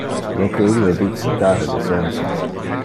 Lo que ille dice care de senso.